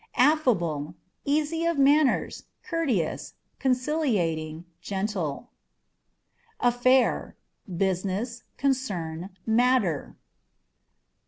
Affableâ€" «asy of manners, courteous, conciliating, gentle. Affair â€" business, concern, matter.